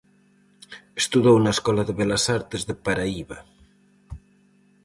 Estudou na Escola de Belas Artes de Paraíba.